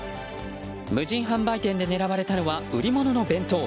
無人販売店で狙われたのは売り物の弁当。